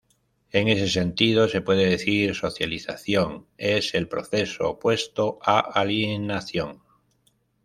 En ese sentido, se puede decir socialización es el proceso opuesto a alienación.